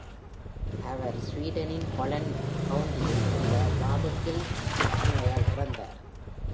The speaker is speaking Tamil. அவர் ஸ்வீடனின் ஹாலண்ட் கவுண்டியில் உள்ள வார்பெர்க்கில் புற்றுநோயால் இறந்தார்.